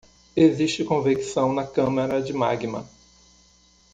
Existe convecção na câmara de magma.